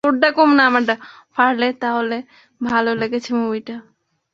ফার্লের তাহলে ভালো লেগেছে মুভিটা!